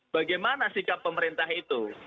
bagaimana sikap pemerintah itu